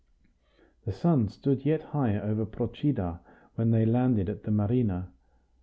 The sun stood yet high over Procida when they landed at the marina.